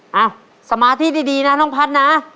อ่ะสมาธิดีนะน้องพัฒน์นะ